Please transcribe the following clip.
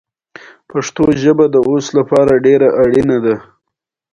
دا اخیستنه کټ مټ کاپي نه وي بلکې نوښت پکې وي